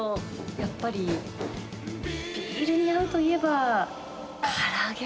やっぱりビールに合うといえば、から揚げ？